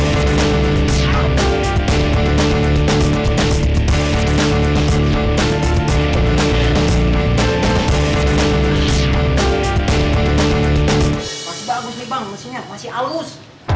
masih bagus nih bang maksudnya masih halus